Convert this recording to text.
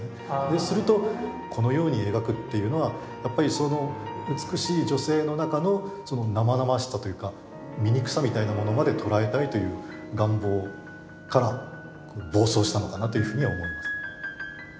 するとこのように描くっていうのはやっぱりその美しい女性の中の生々しさというか醜さみたいなものまで捉えたいという願望から暴走したのかなというふうには思います。